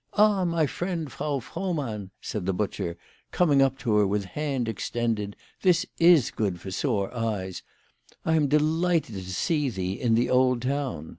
" Ah, my friend, Frau Frohmanii," said the butcher, coming up to her with hand extended, " this is good for sore eyes. I am delighted to see thee in the old town."